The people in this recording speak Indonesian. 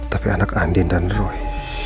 tapi anak andin dan roy